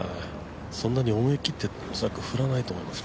そんなに思い切って、恐らく振らないと思います。